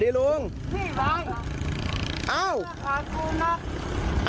มีราคาคู้นะ